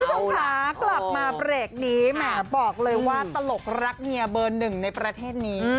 คุณผู้ชมคะกลับมาเบรกนี้แหมบอกเลยว่าตลกรักเมียเบอร์หนึ่งในประเทศนี้